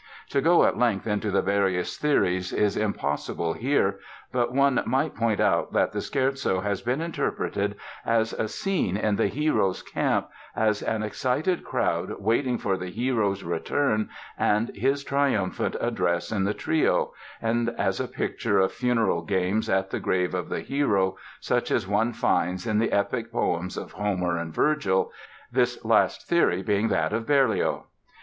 To go at length into the various theories is impossible here, but one might point out that the Scherzo has been interpreted as a scene in the hero's camp, as an excited crowd waiting for the hero's return and his triumphant address in the Trio, and as a picture of funeral games at the grave of the hero, such as one finds in the epic poems of Homer and Virgil, this last theory being that of Berlioz.